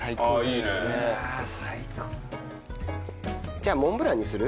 じゃあモンブランにする？